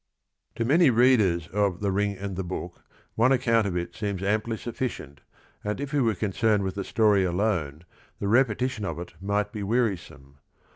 To many readers of The Ring and the Book, one account of it seems amply sufficient, and if we were concerned with the story alone the repeti tion of it might be wearisome.